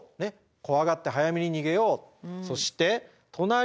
怖がって早めに逃げよう。